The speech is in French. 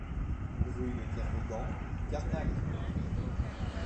Rue de Kervegan, Carnac